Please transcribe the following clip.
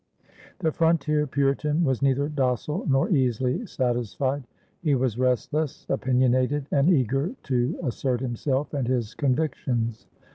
The frontier Puritan was neither docile nor easily satisfied. He was restless, opinionated, and eager to assert himself and his convictions.